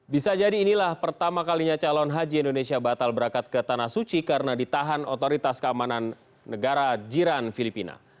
bisa jadi inilah pertama kalinya calon haji indonesia batal berangkat ke tanah suci karena ditahan otoritas keamanan negara jiran filipina